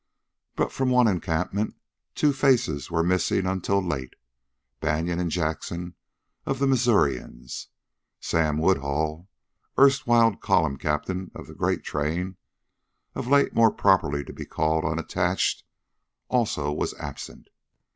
But from one encampment two faces were missing until late Banion and Jackson of the Missourians. Sam Woodhull, erstwhile column captain of the great train, of late more properly to be called unattached, also was absent.